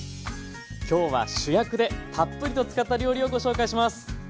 今日は主役でたっぷりと使った料理をご紹介します。